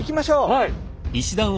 はい！